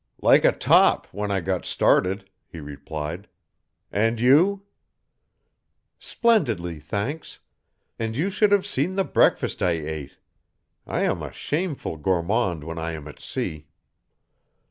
"Like a top, when I got started," he replied. "And you?" "Splendidly, thanks. And you should have seen the breakfast I ate. I am a shameful gourmand when I am at sea."